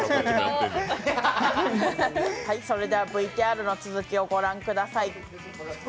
それではＶＴＲの続きをご覧ください。